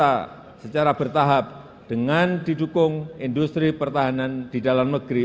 dan mengembangkan alutsista secara bertahap dengan didukung industri pertahanan di dalam negeri